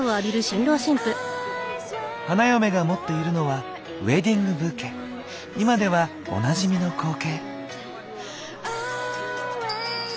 花嫁が持っているのは今ではおなじみの光景。